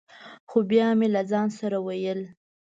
خو بیا مې له ځان سره ویل: